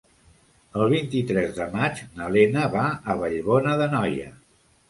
El vint-i-tres de maig na Lena va a Vallbona d'Anoia.